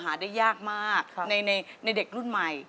หาได้ยากมากในเด็กรุ่นใหม่